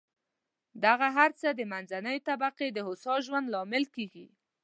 دغه هر څه د منځنۍ طبقې د هوسا ژوند لامل کېږي.